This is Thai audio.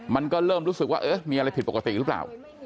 มันก็เริ่มรู้สึกว่าเออมีอะไรผิดปกติหรือเปล่า